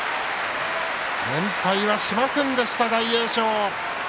連敗はしませんでした。